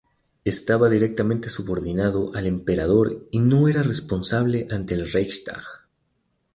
Estaba directamente subordinado al Emperador y no era responsable ante el "Reichstag".